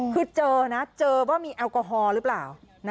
คือเจอนะเจอว่ามีแอลกอฮอล์หรือเปล่า